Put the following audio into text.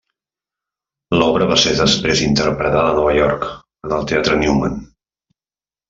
L'obra va ser després interpretada a Nova York, en el Teatre Newman.